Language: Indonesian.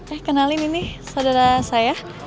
eh kenalin ini saudara saya